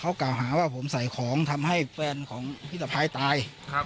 เขากล่าวหาว่าผมใส่ของทำให้แฟนของพี่สะพายตาย